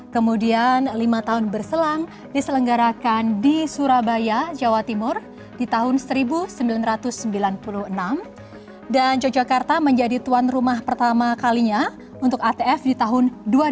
kemudian lima tahun berselang diselenggarakan di surabaya jawa timur di tahun seribu sembilan ratus sembilan puluh enam dan yogyakarta menjadi tuan rumah pertama kalinya untuk atf di tahun dua ribu dua puluh